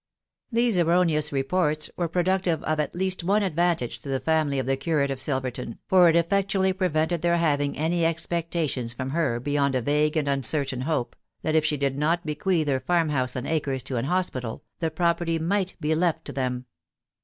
These erroneous reports were pro* dnetive of at least one advantage to die family of the curate of Silverton, far it effectually prevented their having any ex pectations from her beyond a vague and uncertain hope, that if stie did not bequeath her farm house end acre* to an hospital, the property might be left to them.